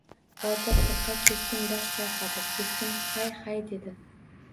Botir firqa keskin bosh chayqadi. Keskin hay-hay, dedi.